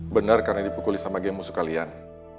benar karena dipukuli sama geng musuh kalian